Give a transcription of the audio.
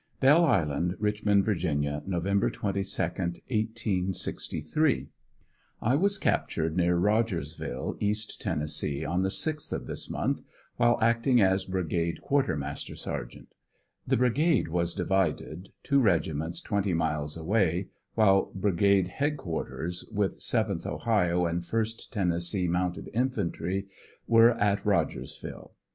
Belle Island, Richmond, Va., Nov. 22, 1863. — I was captured near Rogersville, East Tennessee, on the 6th of this month, while actmg as Brigade Quarter Master Sergt. The Brigade was divided, two regiments twenty miles away, while Brigade Head Quarters with 7th Ohio and 1st Tennessee Mounted Infantry were at Rog ersville.